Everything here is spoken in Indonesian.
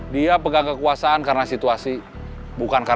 senjata makan tuan